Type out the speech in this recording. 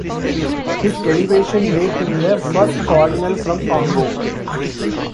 His elevation made him the first cardinal from Congo.